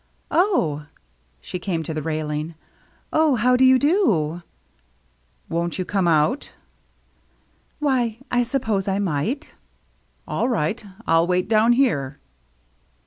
"Oh," — she came to the railing, — "oh, how do you do ?"" Won't you come out ?"" Why — I suppose I might." "All right. I'll wait down here."